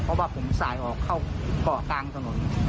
เพราะว่าผมสายออกเข้าเกาะกลางถนน